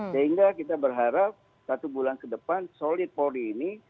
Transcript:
sehingga kita berharap satu bulan ke depan solid polri ini